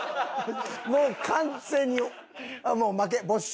もう完全にもう負け。